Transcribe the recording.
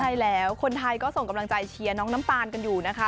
ใช่แล้วคนไทยก็ส่งกำลังใจเชียร์น้องน้ำตาลกันอยู่นะคะ